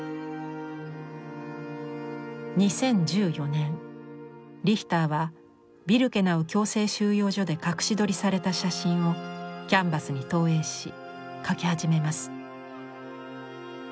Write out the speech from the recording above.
２０１４年リヒターはビルケナウ強制収容所で隠し撮りされた写真をキャンバスに投影し描き始めます。